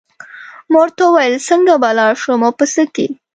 ما ورته وویل څنګه به لاړ شم او په څه کې.